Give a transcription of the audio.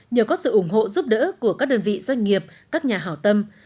nhờ có sự ủng hộ giúp đỡ của các đơn vị doanh nghiệp các nhà hảo tâm